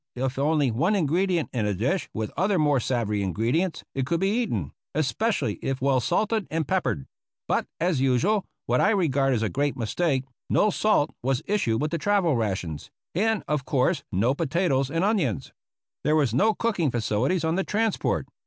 if only one ingredient in a dish with other more savory ingredients — it could be eaten, especially if well salted and peppered ; but, as usual (what I regard as a great mistake), no salt was issued with the travel rations, and of course no potatoes and onions. There were no cooking facilities on the transport.